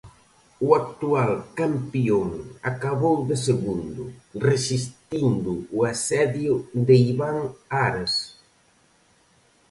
O actual campión acabou de segundo, resistindo o asedio de Iván Ares.